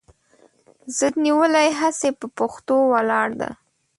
ضد نیولې هسې پهٔ پښتو ولاړه ده